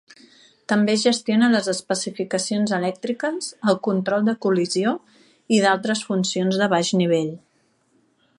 També gestiona les especificacions elèctriques, el control de col·lisió i d'altres funcions de baix nivell.